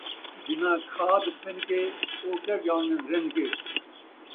جنہاں کھاد پِن کے، او کیا ڄاݨن رِنھ کے